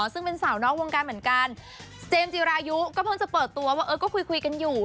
ซึ่งเป็นสาวนอกวงการเหมือนกันเจมส์จิรายุก็เพิ่งจะเปิดตัวว่าเออก็คุยคุยกันอยู่